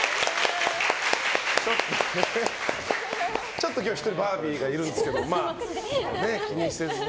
ちょっと今日１人、バービーがいるんですけど気にせずね。